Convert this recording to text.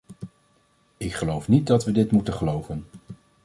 Ik geloof niet dat we dit moeten geloven.